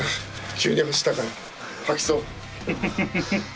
急に走ったから吐きそう。